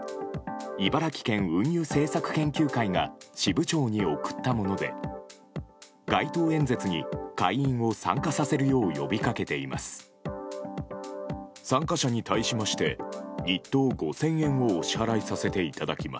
茨城県運輸政策研究会が支部長に送ったもので街頭演説に会員を参加させるよう呼びかけています。